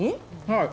はい。